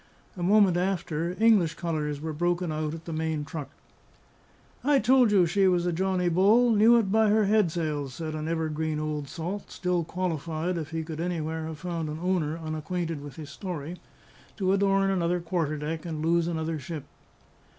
A moment after, English colours were broken out at the main truck. "I told you she was a Johnny Bull knew it by her headsails," said an evergreen old salt, still qualified (if he could anywhere have found an owner unacquainted with his story) to adorn another quarter deck and lose another ship.